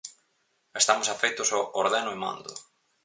Estamos afeitos ao 'ordeno e mando'.